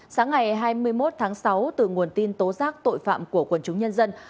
sáng ngày hai mươi một tháng sáu từ nguồn tin tố giác tội phạm của quần chúng nhân dân